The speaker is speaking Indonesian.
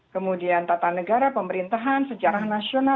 kemudian tata negara pemerintahan sejarah nasional